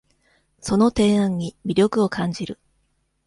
その提案に魅力を感じる